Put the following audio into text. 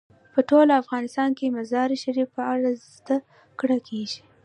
په ټول افغانستان کې د مزارشریف په اړه زده کړه کېږي.